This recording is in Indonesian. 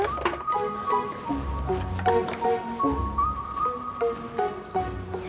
tidak ada ganti